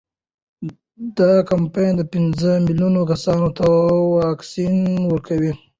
دا کمپاین پنځه میلیون کسانو ته واکسین ورکوي.